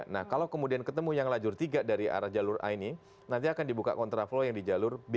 nah kalau kemudian ketemu yang lajur tiga dari arah jalur a ini nanti akan dibuka kontraflow yang di jalur b